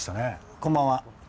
こんばんは。